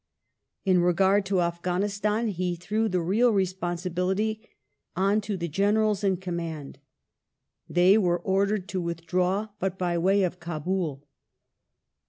In regard to Afghanistan he threw the real responsibility on to the Generals in command. They were ordered to withdraw, but by way of Kabul.